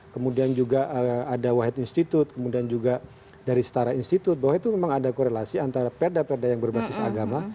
kemudian juga ada wahid institute kemudian juga dari setara institut bahwa itu memang ada korelasi antara perda perda yang berbasis agama